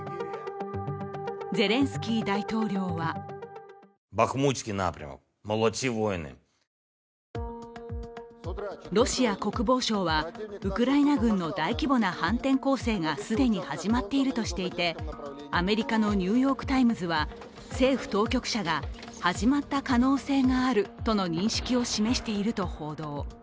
ゼレンスキー大統領はロシア国防省は、ウクライナ軍の大規模な反転攻勢が既に始まっているとしていて、アメリカの「ニューヨーク・タイムズ」は政府当局者が、始まった可能性があるとの認識を示していると報道。